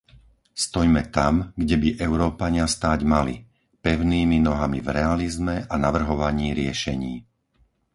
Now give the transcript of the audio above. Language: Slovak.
Stojme tam, kde by Európania stáť mali, pevnými nohami v realizme a navrhovaní riešení.